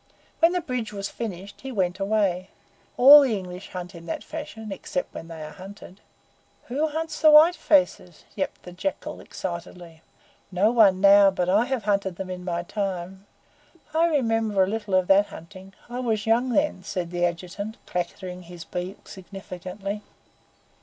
When the bridge was finished he went away. All the English hunt in that fashion, except when they are hunted." "Who hunts the white faces?" yapped the Jackal excitedly. "No one now, but I have hunted them in my time." "I remember a little of that Hunting. I was young then," said the Adjutant, clattering his beak significantly.